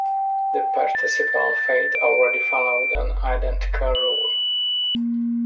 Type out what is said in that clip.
The participle "fait" already followed an identical rule.